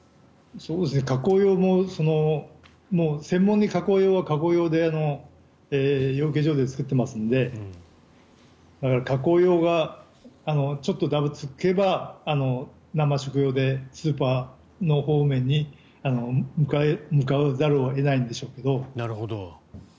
加工用も専門に加工用は加工用で養鶏場で作っていますので加工用がちょっとだぶつけば生食でスーパーの方面に向かわざるを得ないんでしょうけど。